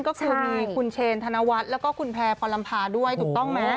ก็คือมีคุณเชนธนวัฒน์แล้วก็คุณแพร่พรลำพาด้วยถูกต้องไหม